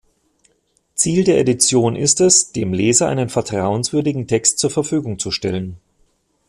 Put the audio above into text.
Ziel der Edition ist es, dem Leser einen vertrauenswürdigen Text zur Verfügung zu stellen.